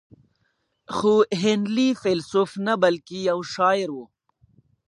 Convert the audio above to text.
خو هنلي فيلسوف نه بلکې يو شاعر و.